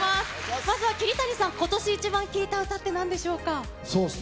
まずは桐谷さん、今年イチバン聴いた歌ってなんでしょうか？